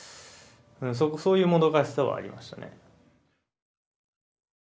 そういうもどかしさはありましたね。